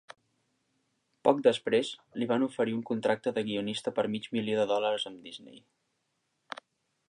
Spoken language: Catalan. Poc després, li van oferir un contracte de guionista per mig milió de dòlars amb Disney.